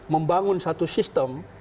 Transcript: membangun satu sistem